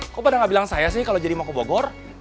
kok pada gak bilang saya sih kalau jadi mako bogor